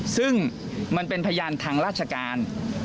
ซึ่งมันเป็นพยานทางราชการ